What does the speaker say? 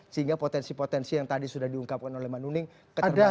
sehingga potensi potensi yang tadi sudah diungkapkan oleh manuning keterbatasan itu